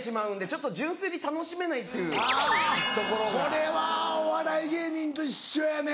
これはお笑い芸人と一緒やね。